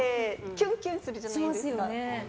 キュンキュンするじゃないですか。